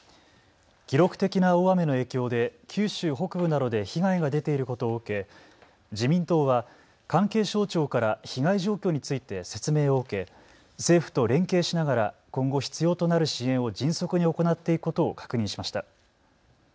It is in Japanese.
記録的な大雨の影響で九州北部などで被害が出ていることを受け自民党は関係省庁から被害状況について説明を受け政府と連携しながら今後必要となる支援を迅速に行っていくことを確認しました。